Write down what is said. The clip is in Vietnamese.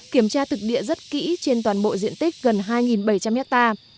kiểm tra thực địa rất kỹ trên toàn bộ diện tích gần hai bảy trăm linh hectare